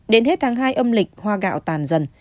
đến hết tháng hai âm lịch hoa gạo tàn dần